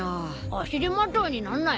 足手まといになんなよ。